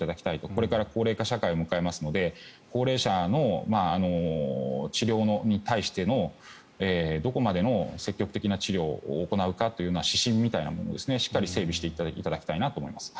これから高齢化社会を迎えますので高齢者の治療に対してのどこまでの積極的な治療を行うかという指針みたいなものをしっかりと整備していただきたいなと思います。